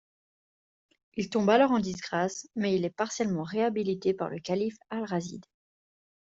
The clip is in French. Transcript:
Il tombe alors en disgrâce, mais il est partiellement réhabilité par le calife al-Rašīd.